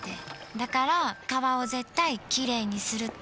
だから川を絶対きれいにするって。